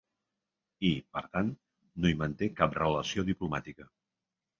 I, per tant, no hi manté cap relació diplomàtica.